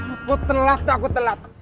aku telat aku telat